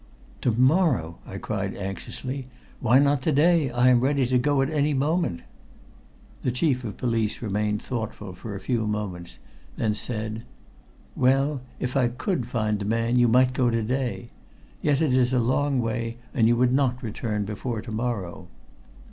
"To morrow!" I cried anxiously. "Why not to day? I am ready to go at any moment." The Chief of Police remained thoughtful for a few moments, then said "Well, if I could find the man, you might go to day. Yet it is a long way, and you would not return before to morrow."